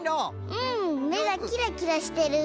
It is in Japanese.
うんめがキラキラしてる。